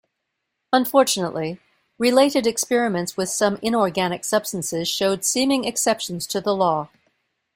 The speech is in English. Unfortunately, related experiments with some inorganic substances showed seeming exceptions to the law.